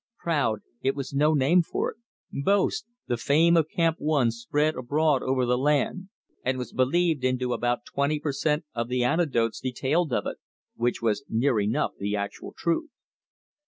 Proud! it was no name for it. Boast! the fame of Camp One spread abroad over the land, and was believed in to about twenty per cent of the anecdotes detailed of it which was near enough the actual truth.